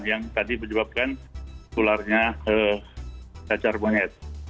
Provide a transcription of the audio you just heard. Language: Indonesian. yang tadi menyebabkan tularnya cacar monyet